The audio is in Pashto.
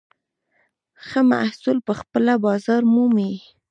ښه محصول پخپله بازار مومي.